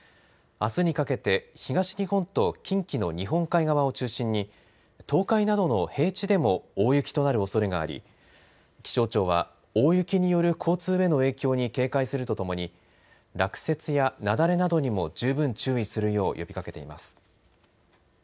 あすにかけて東日本と近畿の日本海側を中心に東海などの平地でも大雪となるおそれがあり気象庁は大雪による交通への影響に警戒するとともに落雪や雪崩などにも十分注意するよう呼びかけています。